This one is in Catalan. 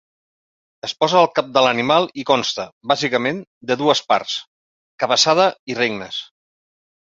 Es posa al cap de l'animal i consta, bàsicament, de dues parts: cabeçada i regnes.